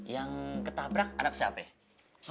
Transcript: yang ketabrak anak siapa